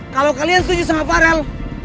kalau kalian setuju sama farel